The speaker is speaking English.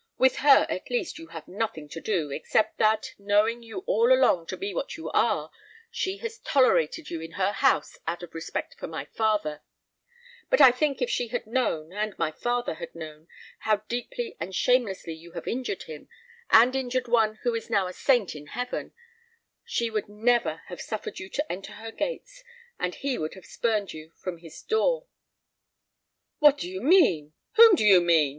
With her, at least, you have nothing to do, except that, knowing you all along to be what you are, she has tolerated you in her house out of respect for my father; but I think if she had known, and my father had known, how deeply and shamelessly you have injured him, and injured one who is now a saint in heaven, she would never have suffered you to enter her gates, and he would have spurned you from his door." "What do you mean? whom do you mean?"